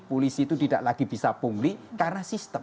polisi itu tidak lagi bisa pungli karena sistem